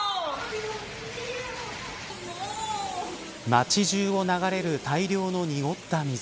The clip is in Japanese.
街中を流れる大量の濁った水。